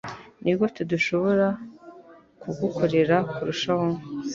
Nigute dushobora kugukorera kurushaho?